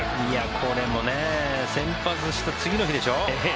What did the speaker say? これもね先発した次の日でしょ？